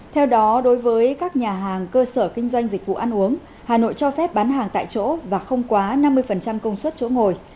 theo đó đối với các nhà hàng cơ sở kinh doanh dịch vụ ăn uống hà nội cho phép bán hàng tại chỗ và không quá năm mươi công suất chỗ ngồi